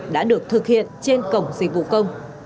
đã được thực hiện trên cổng dịch vụ công